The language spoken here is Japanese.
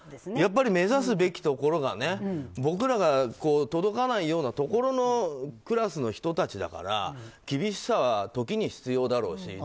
やっぱり目指すべきところが僕らが届かないようなところのクラスの人たちだから厳しさは時に必要だろうし。